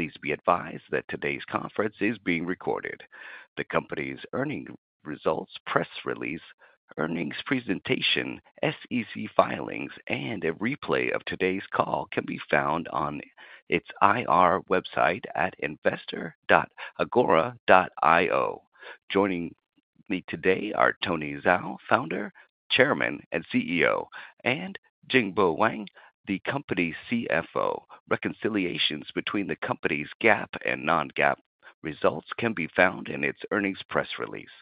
Please be advised that today's conference is being recorded. The company's earnings results, press release, earnings presentation, SEC filings, and a replay of today's call can be found on its IR website at investor.agora.io. Joining me today are Tony Zhao, Founder, Chairman, and CEO, and Jingbo Wang, the company's CFO. Reconciliations between the company's GAAP and non-GAAP results can be found in its earnings press release.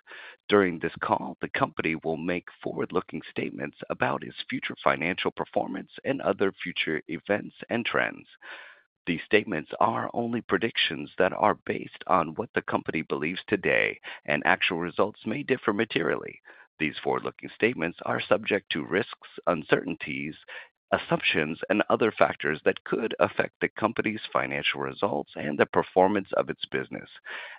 During this call, the company will make forward-looking statements about its future financial performance and other future events and trends. These statements are only predictions that are based on what the company believes today, and actual results may differ materially. These forward-looking statements are subject to risks, uncertainties, assumptions, and other factors that could affect the company's financial results and the performance of its business,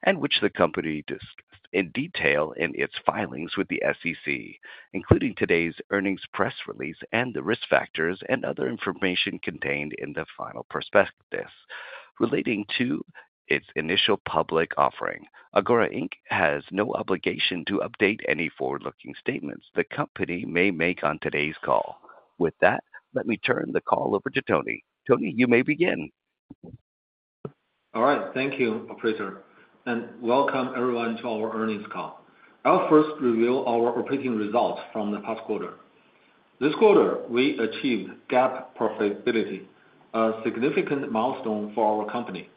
and which the company discussed in detail in its filings with the SEC, including today's earnings press release and the risk factors and other information contained in the final prospectus relating to its initial public offering. Agora Inc. has no obligation to update any forward-looking statements the company may make on today's call. With that, let me turn the call over to Tony. Tony, you may begin. All right. Thank you, operator. And welcome, everyone, to our earnings call. I'll first reveal our operating results from the past quarter. This quarter, we achieved GAAP profitability, a significant milestone for our company.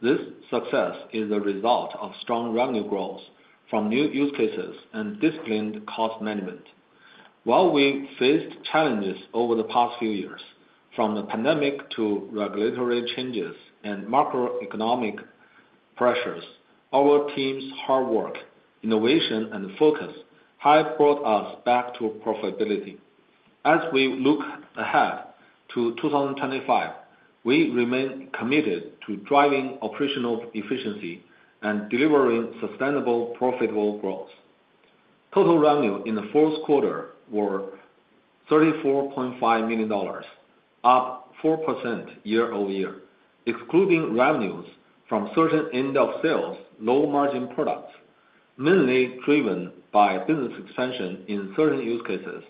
This success is the result of strong revenue growth from new use cases and disciplined cost management. While we faced challenges over the past few years, from the pandemic to regulatory changes and macroeconomic pressures, our team's hard work, innovation, and focus have brought us back to profitability. As we look ahead to 2025, we remain committed to driving operational efficiency and delivering sustainable, profitable growth. Total revenue in the fourth quarter was $34.5 million, up 4% year-over-year, excluding revenues from certain end-of-sales low-margin products, mainly driven by business expansion in certain use cases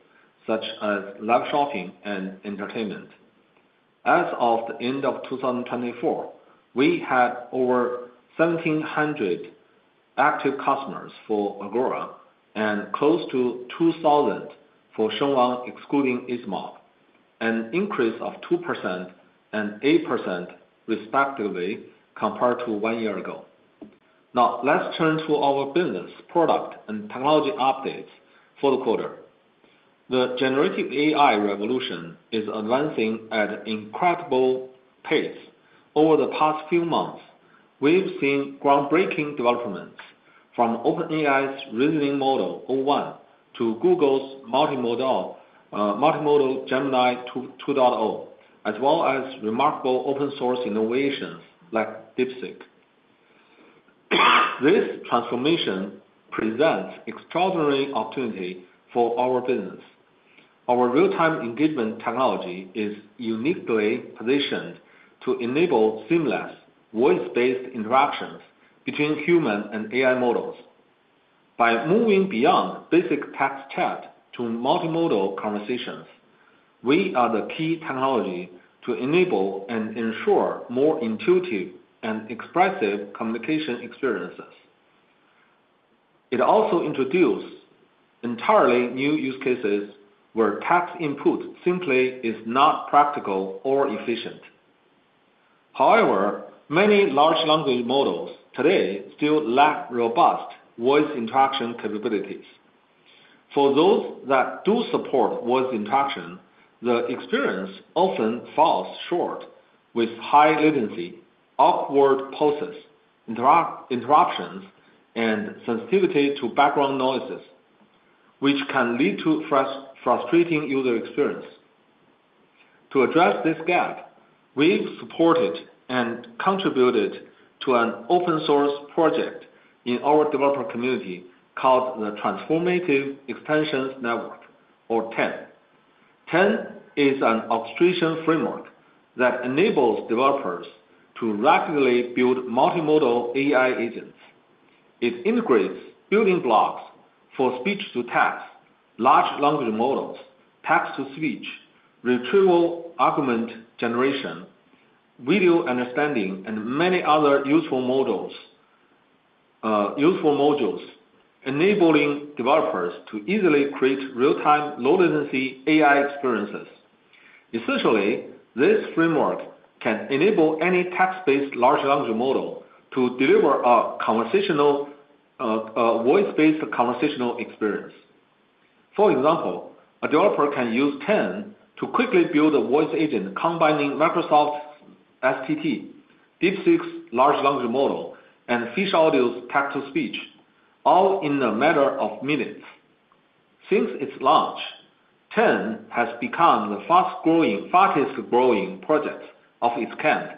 such as live shopping and entertainment. As of the end of 2024, we had over 1,700 active customers for Agora and close to 2,000 for Shengwang, excluding Easemob, an increase of 2% and 8%, respectively, compared to one year ago. Now, let's turn to our business, product, and technology updates for the quarter. The generative AI revolution is advancing at an incredible pace. Over the past few months, we've seen groundbreaking developments from OpenAI's reasoning model, o1, to Google's multimodal Gemini 2.0, as well as remarkable open-source innovations like DeepSeek. This transformation presents extraordinary opportunity for our business. Our real-time engagement technology is uniquely positioned to enable seamless, voice-based interactions between human and AI models. By moving beyond basic text chat to multimodal conversations, we add a key technology to enable and ensure more intuitive and expressive communication experiences. It also introduces entirely new use cases where text input simply is not practical or efficient. However, many large language models today still lack robust voice interaction capabilities. For those that do support voice interaction, the experience often falls short with high latency, awkward pauses, interruptions, and sensitivity to background noises, which can lead to a frustrating user experience. To address this gap, we've supported and contributed to an open-source project in our developer community called the Transformative Extensions Network, or TEN. TEN is an automation framework that enables developers to rapidly build multimodal AI agents. It integrates building blocks for speech-to-text, large language models, text-to-speech, retrieval-augmented generation, video understanding, and many other useful modules enabling developers to easily create real-time low-latency AI experiences. Essentially, this framework can enable any text-based large language model to deliver a voice-based conversational experience. For example, a developer can use TEN to quickly build a voice agent combining Microsoft STT, DeepSeek's large language model, and Fish Audio's text-to-speech, all in a matter of minutes. Since its launch, TEN has become the fastest-growing project of its kind,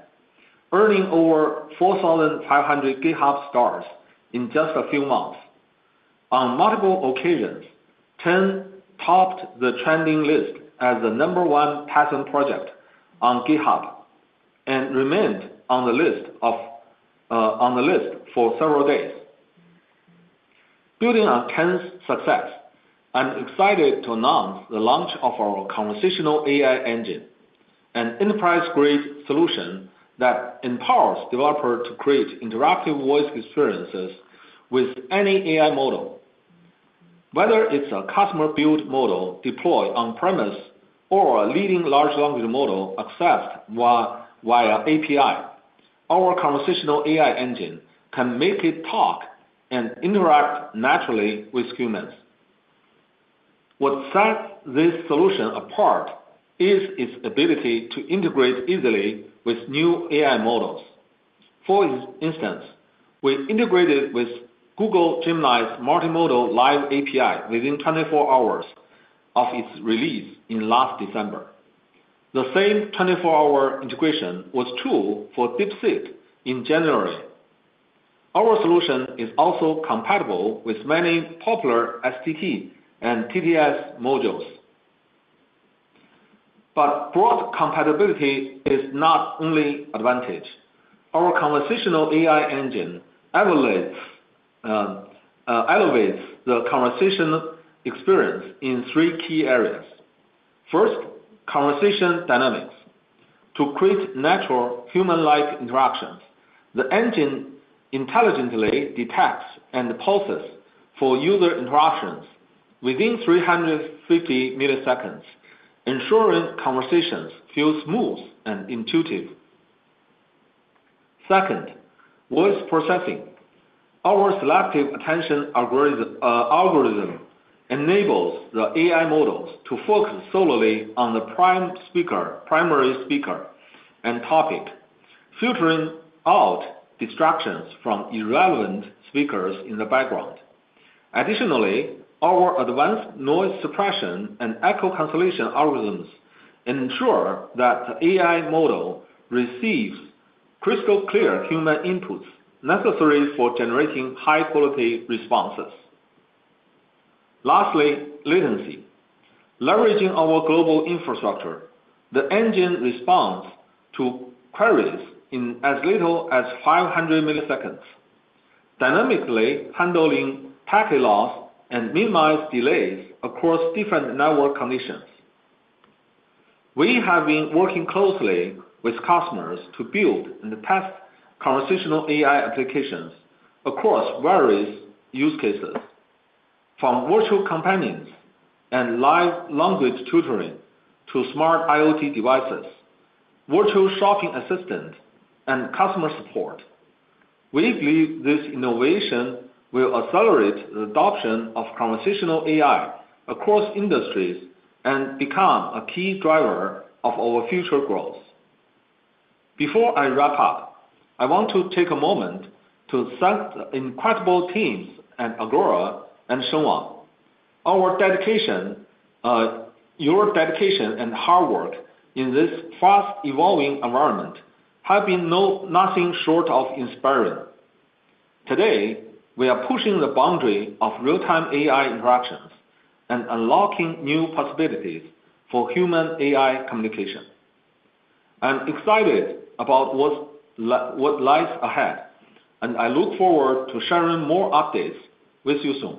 earning over 4,500 GitHub stars in just a few months. On multiple occasions, TEN topped the trending list as the number one Python project on GitHub and remained on the list for several days. Building on TEN's success, I'm excited to announce the launch of our Conversational AI Engine, an enterprise-grade solution that empowers developers to create interactive voice experiences with any AI model. Whether it's a customer-built model deployed on-premises or a leading large language model accessed via API, our Conversational AI Engine can make it talk and interact naturally with humans. What sets this solution apart is its ability to integrate easily with new AI models. For instance, we integrated with Google Gemini's Multimodal Live API within 24 hours of its release in last December. The same 24-hour integration was true for DeepSeek in January. Our solution is also compatible with many popular STT and TTS modules. But broad compatibility is not the only advantage. Our Conversational AI Engine elevates the conversational experience in three key areas. First, conversation dynamics. To create natural human-like interactions, the engine intelligently detects and pauses for user interactions within 350 milliseconds, ensuring conversations feel smooth and intuitive. Second, voice processing. Our Selective Attention Locking enables the AI models to focus solely on the primary speaker and topic, filtering out distractions from irrelevant speakers in the background. Additionally, our advanced noise suppression and echo cancellation algorithms ensure that the AI model receives crystal-clear human inputs necessary for generating high-quality responses. Lastly, latency. Leveraging our global infrastructure, the engine responds to queries in as little as 500 milliseconds, dynamically handling packet loss and minimizing delays across different network conditions. We have been working closely with customers to build and test conversational AI applications across various use cases, from virtual companions and live language tutoring to smart IoT devices, virtual shopping assistants, and customer support. We believe this innovation will accelerate the adoption of conversational AI across industries and become a key driver of our future growth. Before I wrap up, I want to take a moment to thank the incredible teams at Agora and Shengwang. Your dedication and hard work in this fast-evolving environment have been nothing short of inspiring. Today, we are pushing the boundary of real-time AI interactions and unlocking new possibilities for human-AI communication. I'm excited about what lies ahead, and I look forward to sharing more updates with you soon.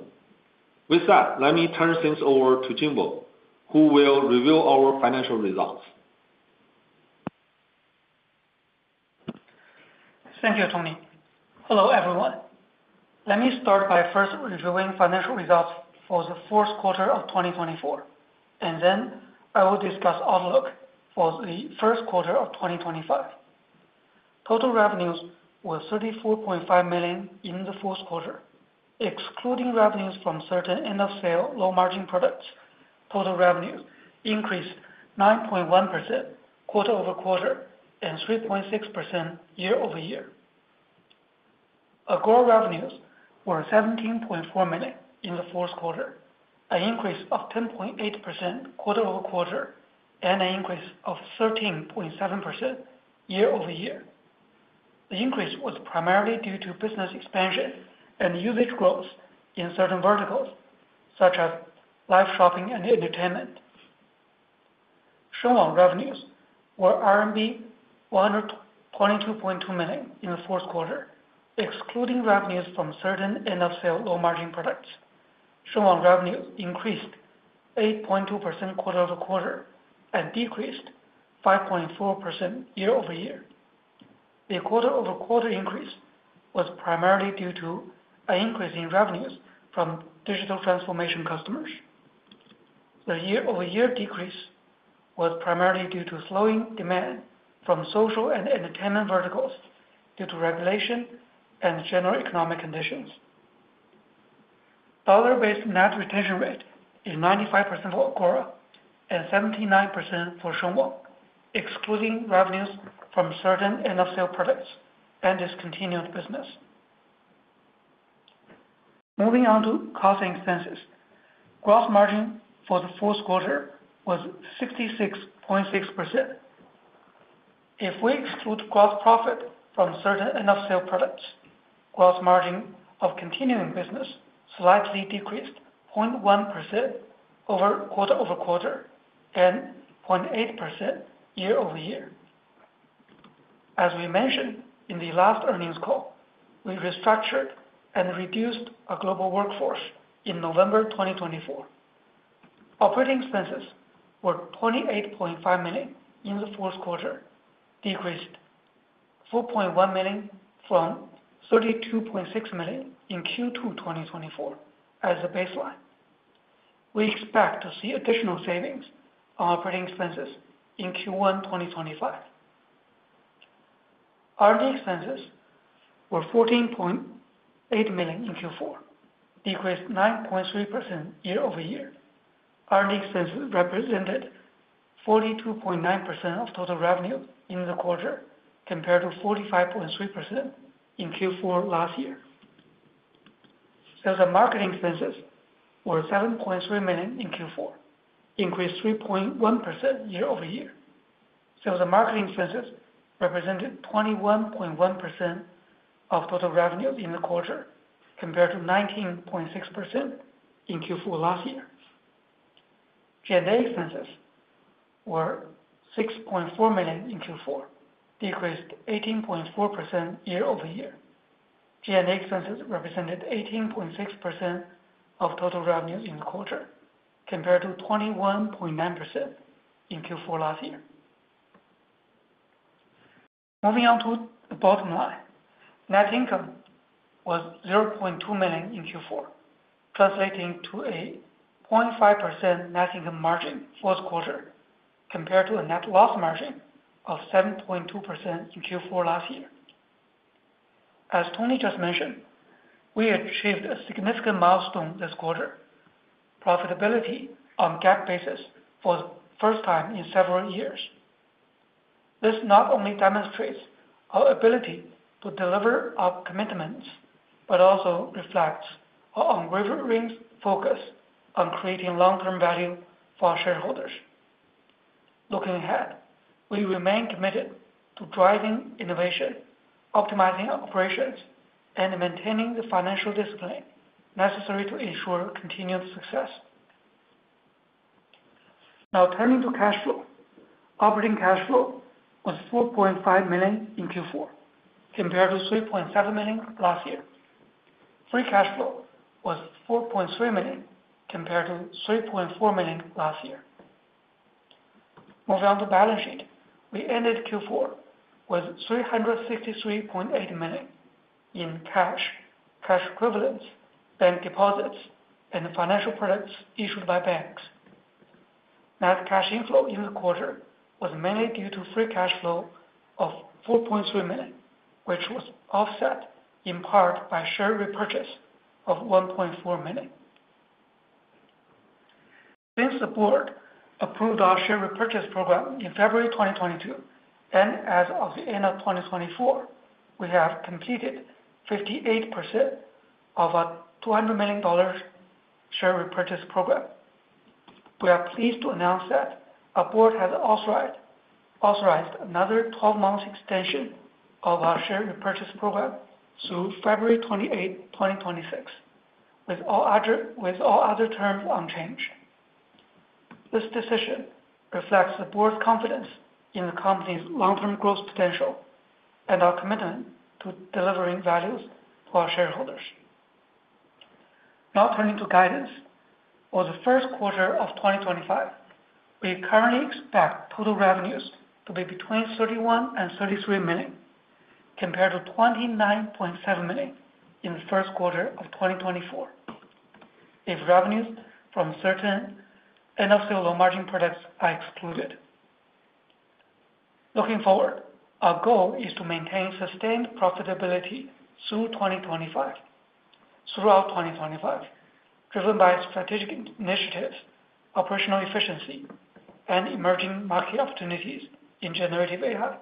With that, let me turn things over to Jingbo, who will reveal our financial results. Thank you, Tony. Hello, everyone. Let me start by first reviewing financial results for the fourth quarter of 2024, and then I will discuss outlook for the first quarter of 2025. Total revenues were $34.5 million in the fourth quarter. Excluding revenues from certain end-of-sale low-margin products, total revenues increased 9.1% quarter-over-quarter and 3.6% year-over-year. Agora revenues were $17.4 million in the fourth quarter, an increase of 10.8% quarter-over-quarter and an increase of 13.7% year-over-year. The increase was primarily due to business expansion and usage growth in certain verticals, such as live shopping and entertainment. Shengwang revenues were RMB 122.2 million in the fourth quarter, excluding revenues from certain end-of-sale low-margin products. Shengwang revenues increased 8.2% quarter-over-quarter and decreased 5.4% year-over-year. The quarter-over-quarter increase was primarily due to an increase in revenues from digital transformation customers. The year-over-year decrease was primarily due to slowing demand from social and entertainment verticals due to regulation and general economic conditions. Dollar-based net retention rate is 95% for Agora and 79% for Shengwang, excluding revenues from certain end-of-sale products and discontinued business. Moving on to costs and expenses, gross margin for the fourth quarter was 66.6%. If we exclude gross profit from certain end-of-sale products, gross margin of continuing business slightly decreased 0.1% over quarter-over-quarter and 0.8% year-over-year. As we mentioned in the last earnings call, we restructured and reduced our global workforce in November 2024. Operating expenses were $28.5 million in the fourth quarter, decreased $4.1 million from $32.6 million in Q2 2024 as a baseline. We expect to see additional savings on operating expenses in Q1 2025. R&D expenses were $14.8 million in Q4, decreased 9.3% year-over-year. R&D expenses represented 42.9% of total revenue in the quarter compared to 45.3% in Q4 last year. Sales and marketing expenses were $7.3 million in Q4, increased 3.1% year-over-year. Sales and marketing expenses represented 21.1% of total revenues in the quarter compared to 19.6% in Q4 last year. G&A expenses were $6.4 million in Q4, decreased 18.4% year-over-year. G&A expenses represented 18.6% of total revenues in the quarter compared to 21.9% in Q4 last year. Moving on to the bottom line, net income was $0.2 million in Q4, translating to a 0.5% net income margin fourth quarter compared to a net loss margin of 7.2% in Q4 last year. As Tony just mentioned, we achieved a significant milestone this quarter: profitability on a GAAP basis for the first time in several years. This not only demonstrates our ability to deliver our commitments but also reflects our unwavering focus on creating long-term value for our shareholders. Looking ahead, we remain committed to driving innovation, optimizing operations, and maintaining the financial discipline necessary to ensure continued success. Now, turning to cash flow, operating cash flow was $4.5 million in Q4 compared to $3.7 million last year. Free cash flow was $4.3 million compared to $3.4 million last year. Moving on to balance sheet, we ended Q4 with $363.8 million in cash, cash equivalents, bank deposits, and financial products issued by banks. Net cash inflow in the quarter was mainly due to free cash flow of $4.3 million, which was offset in part by share repurchase of $1.4 million. Since the board approved our Share Repurchase Program in February 2022 and as of the end of 2024, we have completed 58% of our $200 million Share Repurchase Program. We are pleased to announce that our board has authorized another 12-month extension of our Share Repurchase Program through February 28, 2026, with all other terms unchanged. This decision reflects the board's confidence in the company's long-term growth potential and our commitment to delivering values to our shareholders. Now, turning to guidance for the first quarter of 2025, we currently expect total revenues to be between $31-$33 million compared to $29.7 million in the first quarter of 2024, if revenues from certain end-of-sale low-margin products are excluded. Looking forward, our goal is to maintain sustained profitability through 2025 throughout 2025, driven by strategic initiatives, operational efficiency, and emerging market opportunities in generative AI.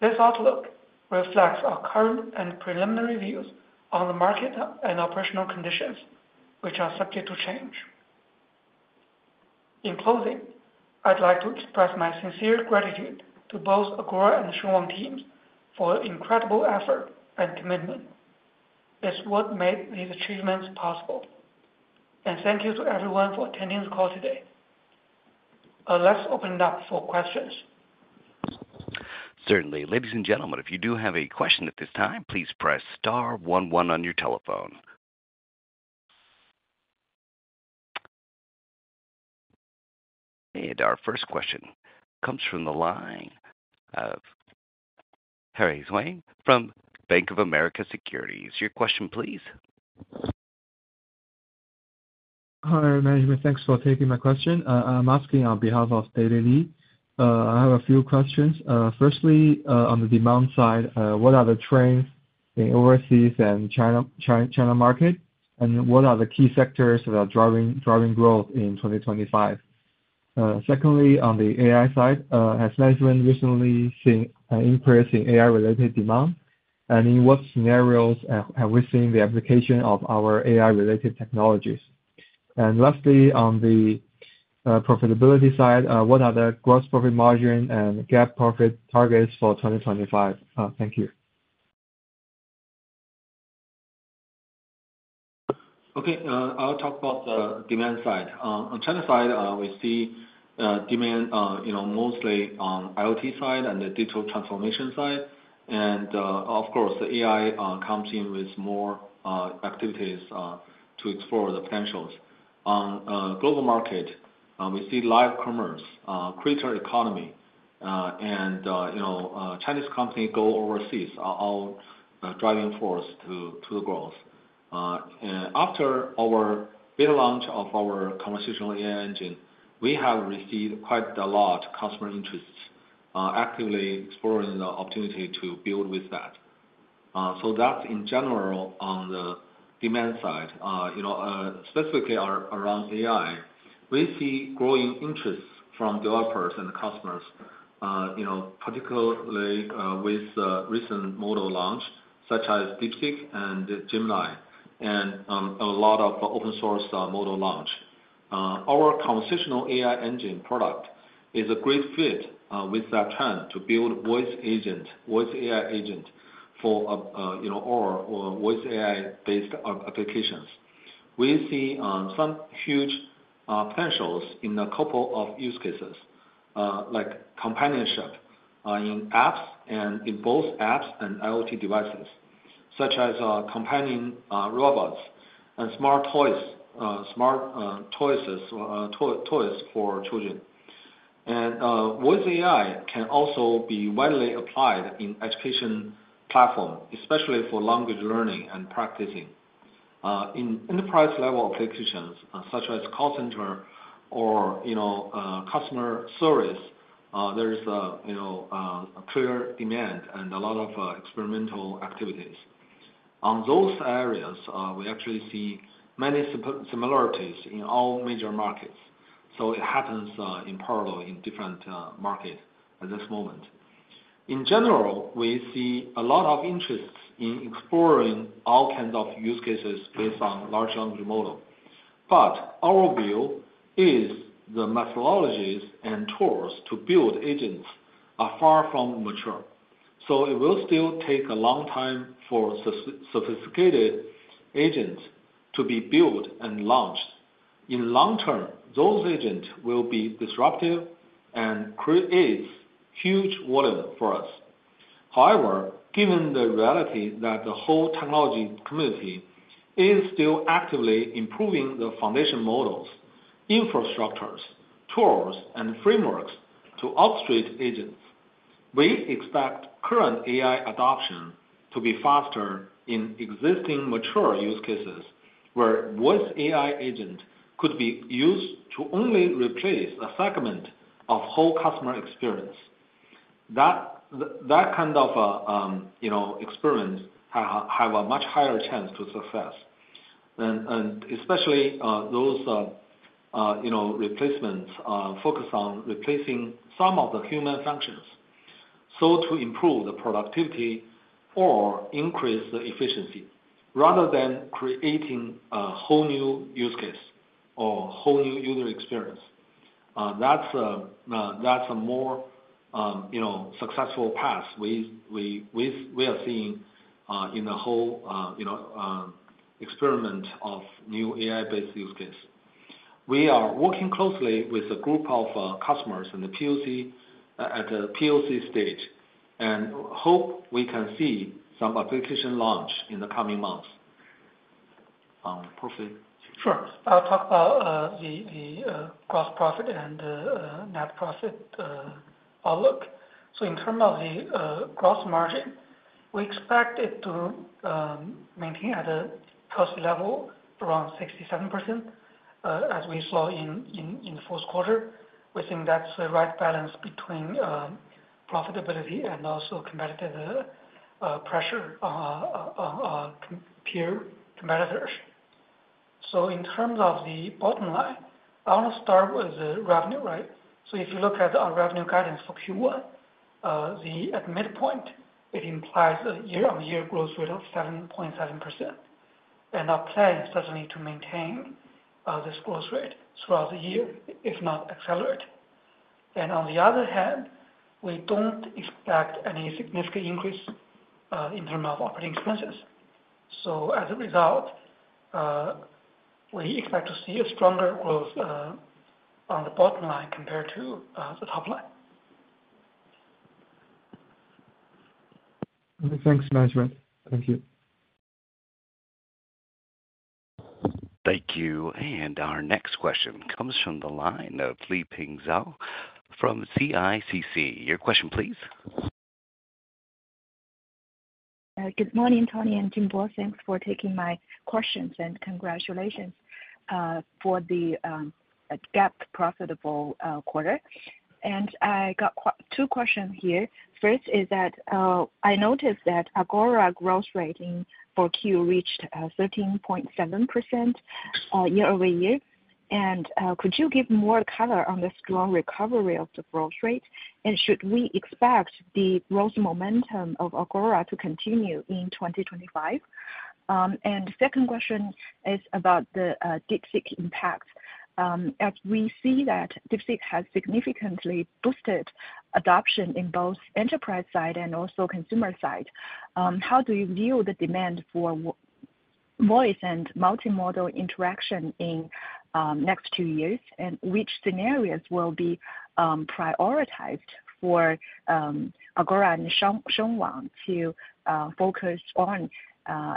This outlook reflects our current and preliminary views on the market and operational conditions, which are subject to change. In closing, I'd like to express my sincere gratitude to both Agora and Shengwang teams for their incredible effort and commitment. It's what made these achievements possible. And thank you to everyone for attending the call today. Let's open it up for questions. Certainly. Ladies and gentlemen, if you do have a question at this time, please press star one one on your telephone. And our first question comes from the line of Harry Zhuang from Bank of America Securities. Your question, please. Hi, Management. Thanks for taking my question. I'm asking on behalf of Daley Li. I have a few questions. Firstly, on the demand side, what are the trends in overseas and China market, and what are the key sectors that are driving growth in 2025? Secondly, on the AI side, has management recently seen an increase in AI-related demand, and in what scenarios have we seen the application of our AI-related technologies? And lastly, on the profitability side, what are the gross profit margin and GAAP profit targets for 2025? Thank you. Okay. I'll talk about the demand side. On China side, we see demand mostly on the IoT side and the digital transformation side. And of course, AI comes in with more activities to explore the potentials. On the global market, we see live commerce, creator economy, and Chinese companies going overseas are all driving forces to the growth. After our beta launch of our Conversational AI Engine, we have received quite a lot of customer interest actively exploring the opportunity to build with that. So that's in general on the demand side. Specifically around AI, we see growing interest from developers and customers, particularly with recent model launch such as DeepSeek and Gemini and a lot of open-source model launch. Our Conversational AI Engine product is a great fit with that trend to build voice AI agents for our voice AI-based applications. We see some huge potentials in a couple of use cases like companionship in apps and in both apps and IoT devices, such as companion robots and smart toys for children, and voice AI can also be widely applied in education platforms, especially for language learning and practicing. In enterprise-level applications such as call centers or customer service, there is a clear demand and a lot of experimental activities. On those areas, we actually see many similarities in all major markets, so it happens in parallel in different markets at this moment. In general, we see a lot of interest in exploring all kinds of use cases based on large language models, but our view is the methodologies and tools to build agents are far from mature, so it will still take a long time for sophisticated agents to be built and launched. In the long term, those agents will be disruptive and create huge volume for us. However, given the reality that the whole technology community is still actively improving the foundation models, infrastructures, tools, and frameworks to upstream agents, we expect current AI adoption to be faster in existing mature use cases where voice AI agents could be used to only replace a segment of the whole customer experience. That kind of experience has a much higher chance of success, especially those replacements focus on replacing some of the human functions to improve the productivity or increase the efficiency rather than creating a whole new use case or a whole new user experience. That's a more successful path we are seeing in the whole experiment of new AI-based use cases. We are working closely with a group of customers at the POC stage and hope we can see some application launch in the coming months. Perfect. Sure. I'll talk about the gross profit and net profit outlook. So in terms of the gross margin, we expect it to maintain at a cost level around 67% as we saw in the fourth quarter. We think that's the right balance between profitability and also competitive pressure on peer competitors. So in terms of the bottom line, I want to start with the revenue, right? So if you look at our revenue guidance for Q1, the midpoint, it implies a year-on-year growth rate of 7.7%. And our plan is certainly to maintain this growth rate throughout the year, if not accelerate. And on the other hand, we don't expect any significant increase in terms of operating expenses. So as a result, we expect to see a stronger growth on the bottom line compared to the top line. Thanks, Management. Thank you. Thank you. And our next question comes from the line of Liping Zhao from CICC. Your question, please. Good morning, Tony and Jingbo. Thanks for taking my questions and congratulations for the GAAP profitable quarter. I got two questions here. First is that I noticed that Agora's growth rate in Q4 reached 13.7% year-over-year. Could you give more color on the strong recovery of the growth rate? Should we expect the growth momentum of Agora to continue in 2025? The second question is about the DeepSeek impact. As we see that DeepSeek has significantly boosted adoption in both enterprise side and also consumer side, how do you view the demand for voice and multimodal interaction in the next two years? Which scenarios will be prioritized for Agora and Shengwang to focus on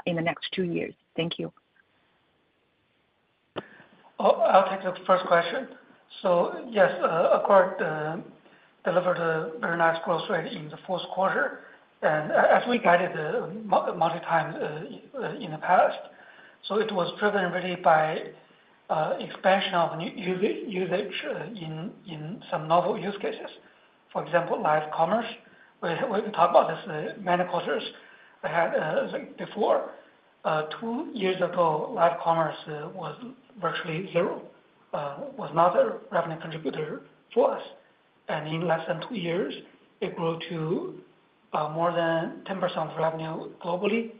in the next two years? Thank you. I'll take the first question. So yes, Agora delivered a very nice growth rate in the fourth quarter. And as we guided multiple times in the past, so it was driven really by expansion of usage in some novel use cases. For example, live commerce. We talked about this many quarters ago. Two years ago, live commerce was virtually zero, was not a revenue contributor for us. And in less than two years, it grew to more than 10% of revenue globally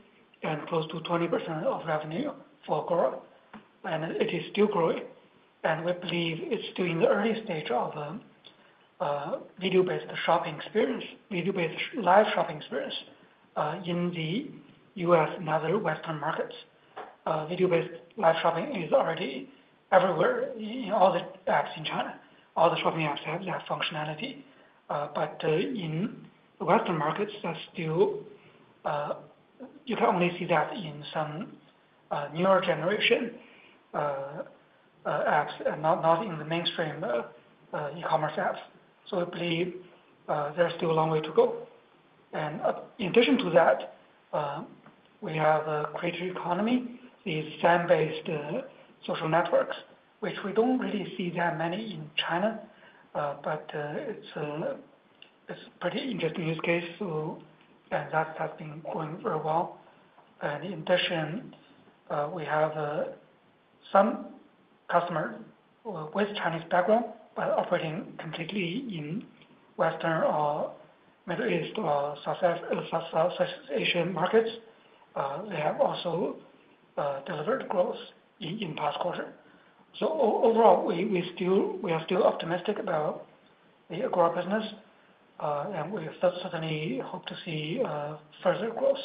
and close to 20% of revenue for Agora. And it is still growing. And we believe it's still in the early stage of a video-based shopping experience, video-based live shopping experience in the U.S. and other Western markets. Video-based live shopping is already everywhere in all the apps in China. All the shopping apps have that functionality. But in Western markets, that's still you can only see that in some newer generation apps and not in the mainstream e-commerce apps. So we believe there's still a long way to go. And in addition to that, we have a creator economy, these fan-based social networks, which we don't really see that many in China. But it's a pretty interesting use case. And that's been growing very well. And in addition, we have some customers with Chinese background, but operating completely in Western or Middle East or Southeast Asian markets. They have also delivered growth in the past quarter. So overall, we are still optimistic about the Agora business. And we certainly hope to see further growth.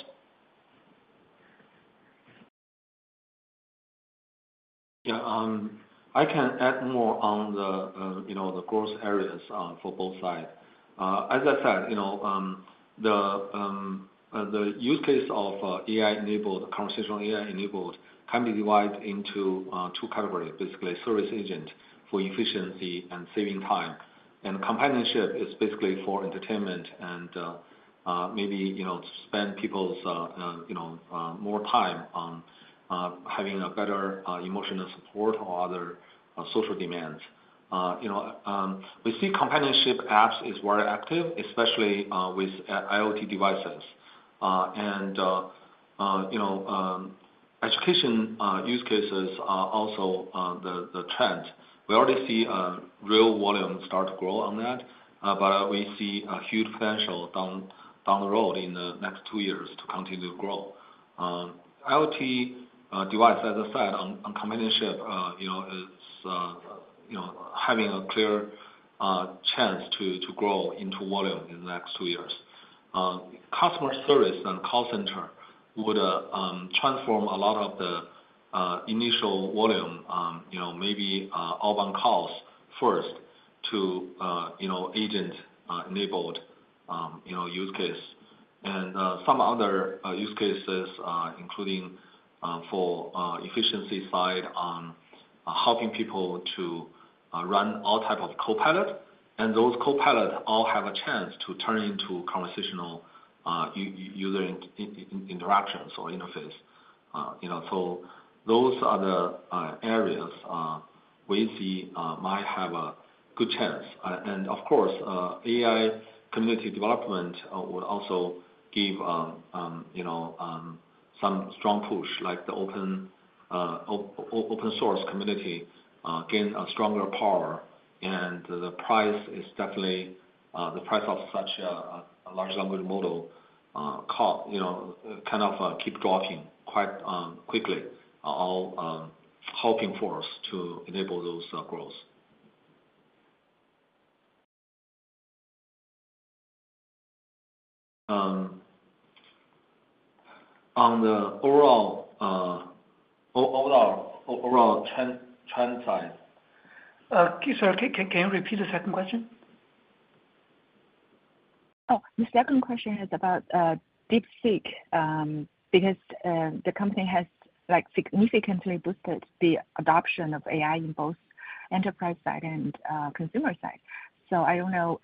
Yeah. I can add more on the growth areas for both sides. As I said, the use case of AI-enabled, conversational AI-enabled can be divided into two categories, basically service agent for efficiency and saving time, and companionship is basically for entertainment and maybe to spend people's more time on having a better emotional support or other social demands. We see companionship apps are very active, especially with IoT devices, and education use cases are also the trend. We already see real volume start to grow on that, but we see a huge potential down the road in the next two years to continue to grow. IoT device, as I said, on companionship is having a clear chance to grow into volume in the next two years. Customer service and call center would transform a lot of the initial volume, maybe outbound calls first to agent-enabled use case. And some other use cases, including for efficiency side on helping people to run all types of copilot. And those copilots all have a chance to turn into conversational user interactions or interface. So those are the areas we see might have a good chance. And of course, AI community development would also give some strong push, like the open-source community gained a stronger power. And the price is definitely the price of such a large language model kind of keeps dropping quite quickly, all hoping for us to enable those growth. On the overall trend side. Sorry, can you repeat the second question? Oh, the second question is about DeepSeek because the company has significantly boosted the adoption of AI in both enterprise side and consumer side. So I don't know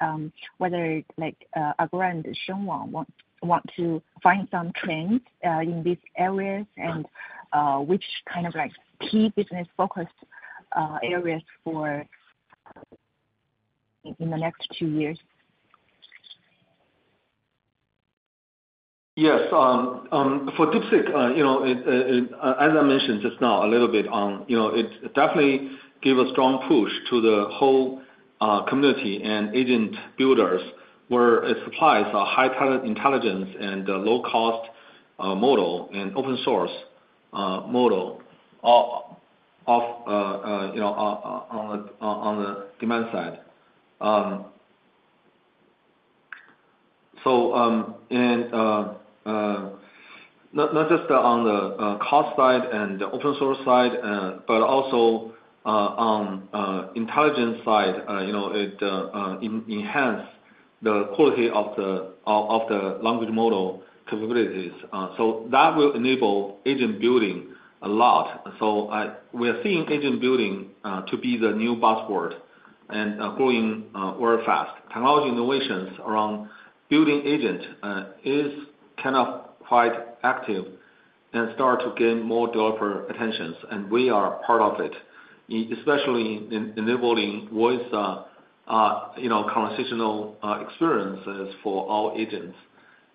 whether Agora and Shengwang want to find some trends in these areas and which kind of key business-focused areas for in the next two years. Yes. For DeepSeek, as I mentioned just now a little bit, it definitely gave a strong push to the whole community and agent builders where it supplies a high-intelligence and low-cost model and open-source model on the demand side. So not just on the cost side and the open-source side, but also on the intelligence side, it enhances the quality of the language model capabilities. So that will enable agent building a lot. So we are seeing agent building to be the new buzzword and growing very fast. Technology innovations around building agents is kind of quite active and start to gain more developer attention. And we are part of it, especially enabling voice conversational experiences for all agents.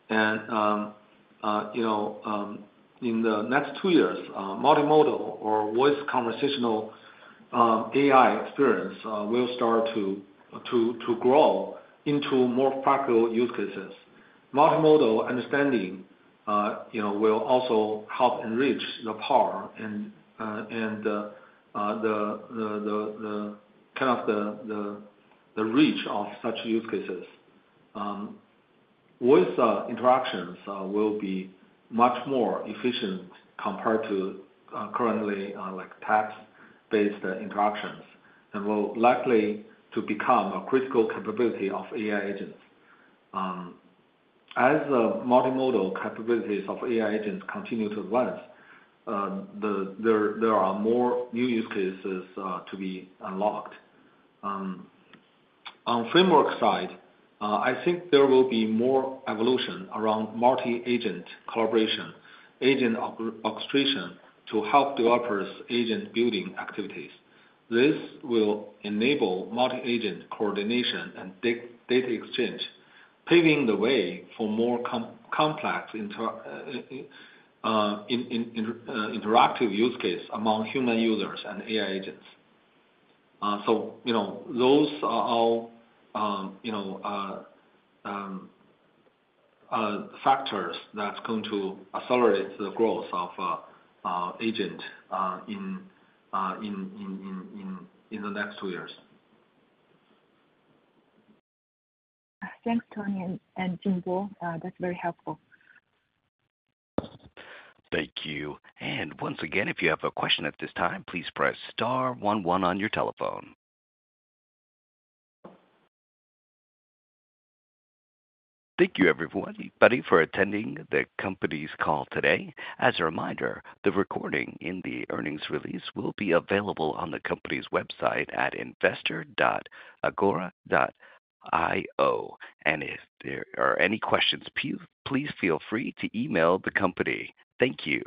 And in the next two years, multimodal or voice conversational AI experience will start to grow into more practical use cases. Multimodal understanding will also help enrich the power and the kind of the reach of such use cases. Voice interactions will be much more efficient compared to currently text-based interactions and will likely become a critical capability of AI agents. As the multimodal capabilities of AI agents continue to advance, there are more new use cases to be unlocked. On framework side, I think there will be more evolution around multi-agent collaboration, agent orchestration to help developers' agent building activities. This will enable multi-agent coordination and data exchange, paving the way for more complex interactive use cases among human users and AI agents. So those are all factors that are going to accelerate the growth of agents in the next two years. Thanks, Tony and Jingbo. That's very helpful. Thank you. And once again, if you have a question at this time, please press star 11 on your telephone. Thank you, everybody, for attending the company's call today. As a reminder, the recording in the earnings release will be available on the company's website at investor.agora.io. And if there are any questions, please feel free to email the company. Thank you.